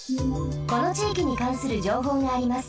このちいきにかんするじょうほうがあります。